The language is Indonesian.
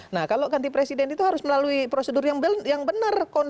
nah kalau ganti presiden itu harus melalui prosedur yang benar